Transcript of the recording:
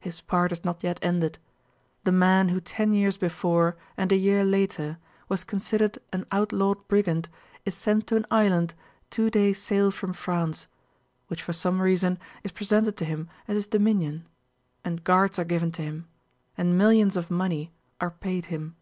His part is not yet ended. The man who ten years before and a year later was considered an outlawed brigand is sent to an island two days' sail from France, which for some reason is presented to him as his dominion, and guards are given to him and millions of money are paid him.